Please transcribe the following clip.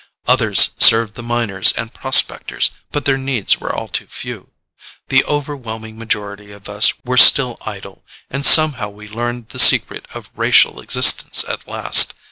Others served the miners and prospectors, but their needs were all too few. The overwhelming majority of us were still idle, and somehow we learned the secret of racial existence at last.